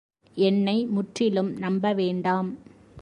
என்னை முற்றிலும் நம்பவேண்டாம்!